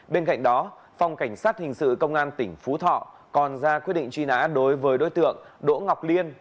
bên cạnh đó phòng cảnh sát hình sự công an tỉnh phú thọ còn ra quyết định truy nã đối với đối tượng đỗ ngọc liên